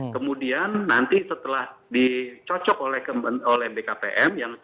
kemudian nanti setelah dicocok oleh bkpm